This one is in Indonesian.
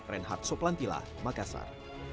renhat soplantila makassar